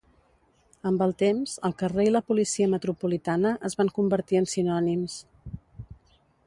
Amb el temps, el carrer i la policia metropolitana es van convertir en sinònims.